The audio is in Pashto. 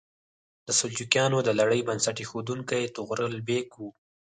د سلجوقیانو د لړۍ بنسټ ایښودونکی طغرل بیګ و.